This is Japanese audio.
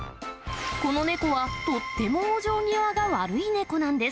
この猫は、とっても往生際が悪い猫なんです。